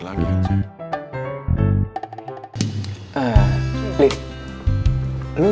lu suka cheesecake kan